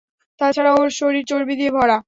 তাছাড়াও, ওর শরীর চর্বি দিয়ে ভরা।